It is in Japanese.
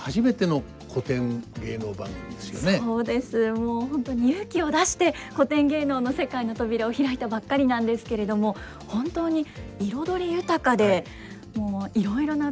もう本当に勇気を出して古典芸能の世界の扉を開いたばっかりなんですけれども本当に彩り豊かでもういろいろな分野に今は興味津々です。